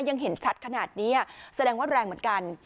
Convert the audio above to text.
ยังเห็นชัดขนาดนี้แสดงว่าแรงเหมือนกัน